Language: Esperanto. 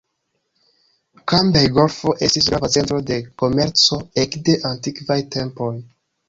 Kambej-Golfo estis grava centro de komerco ekde antikvaj tempoj.